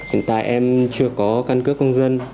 hiện tại em chưa có căn cước công dân